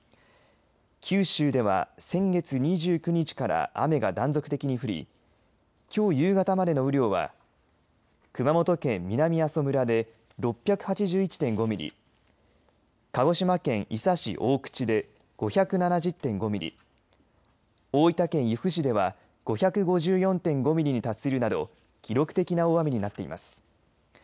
九州では先月２９日から雨が断続的に降りきょう夕方までの雨量は熊本県南阿蘇村で６８１．５ミリ鹿児島県伊佐市大口で５７０．５ミリ大分県由布市では５５４．２ミリに達するなど記録的な大雨になっています。